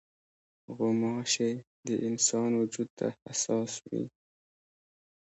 غوماشې د انسان وجود ته حساس وي.